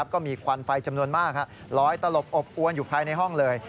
ควันไฟจำนวนมากลอยตลบอบอวนอยู่ภายในห้องเลย